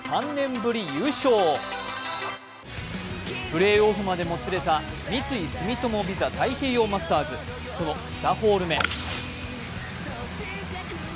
プレーオフまでもつれた三井住友ＶＩＳＡ太平洋マスターズその２ホール目。